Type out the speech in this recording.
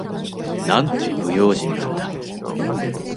なんて不用心なんだ。